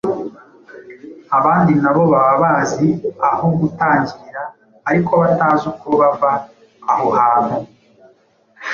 Abandi na bo baba bazi aho gutangirira ariko batazi uko bava aho hantu